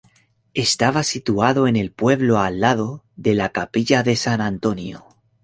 Estaba situado en el pueblo al lado de la capilla de San Antonio.